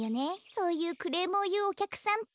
そういうクレームをいうおきゃくさんって。